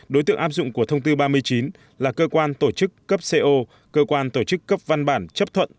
đối tượng áp dụng của thông tư ba mươi chín là cơ quan tổ chức cấp co cơ quan tổ chức cấp văn bản chấp thuận